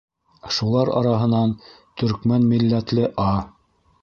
Шулар араһынан төркмән милләтле А.